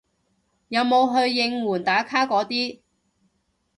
有冇去應援打卡嗰啲